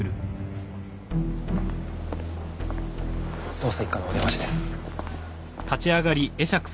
捜査一課のお出ましです。